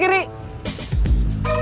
tete aku mau